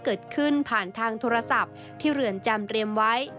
เกิดขึ้นผ่านทางโทรศัพท์ที่เรือนจำเรียมไว้